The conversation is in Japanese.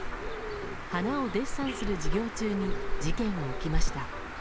花をデッサンする授業中に事件は起きました。